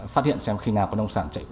phát hiện xem khi nào có nông sản chạy